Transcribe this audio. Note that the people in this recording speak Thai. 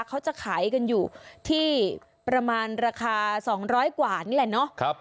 เขาจะขายกันอยู่ที่ประมาณราคา๒๐๐กว่านี่แหละเนาะ